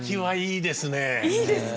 いいですか。